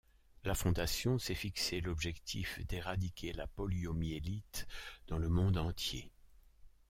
La Fondation s’est fixé l’objectif d’éradiquer la poliomyélite dans le monde entier.